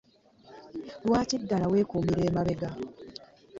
Lwaki ddala weekuumira emabega?